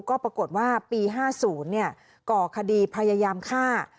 ก็ปรากฏว่าปี๕๐ก่อคดีพยายามฆ่า